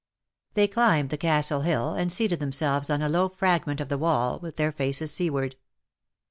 They climbed the castle hill, and seated them selves on a low fragment of wall with their faces seaward.